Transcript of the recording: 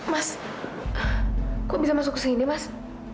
mas kok bisa masuk kesini mas